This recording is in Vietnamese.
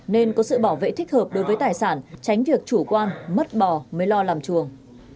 nên có sự bảo vệ thích hợp đối với tài sản tránh việc chủ quan mất bò mới lo làm chuồng